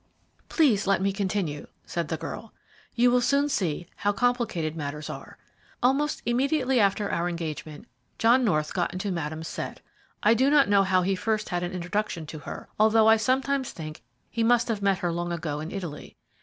"Please let me continue," said the girl; "you will soon see how complicated matters are. Almost immediately after our engagement, John North got into Madame's set. I do not know how he first had an introduction to her, although I sometimes think he must have met her long ago in Italy.